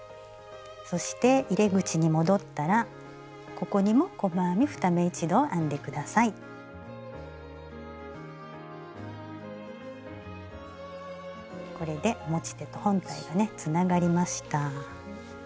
そして入れ口に戻ったらここにもこれで持ち手と本体がねつながりました。